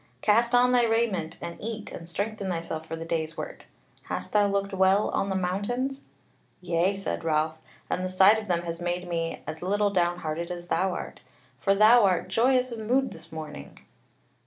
Cast on thy raiment, and eat and strengthen thyself for the day's work. Hast thou looked well on the mountains?" "Yea," said Ralph, "and the sight of them has made me as little downhearted as thou art. For thou art joyous of mood this morning."